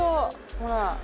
ほら！